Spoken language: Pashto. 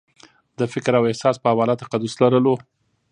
د فکر او احساس په حواله تقدس لرلو